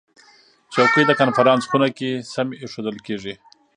چوکۍ د کنفرانس خونه کې سمې ایښودل کېږي.